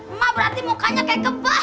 emang berarti mukanya kayak keban